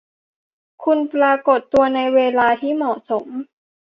คุณปรากฏตัวในเวลาที่เหมาะสม